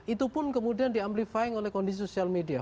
itu pun kemudian di amplifying oleh kondisi sosial media